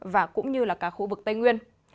và cũng như là cả khu vực tây nguyên